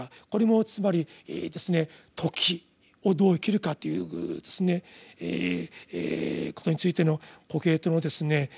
これもつまり「時」をどう生きるかということについてのコヘレトのですね